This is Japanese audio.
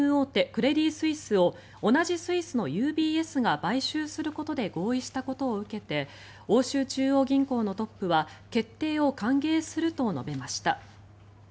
クレディ・スイスを同じスイスのＵＢＳが買収することで合意したことを受けて欧州中央銀行のトップは決定を歓迎すると述べました。